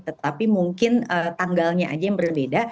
tetapi mungkin tanggalnya aja yang berbeda